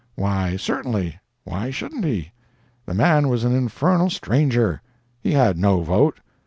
Why certainly—why shouldn't he?—the man was an infernal stranger. He had no vote.